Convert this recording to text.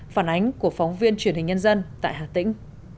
phản ánh của phóng viên truyền hình nhân dân tại hà tĩnh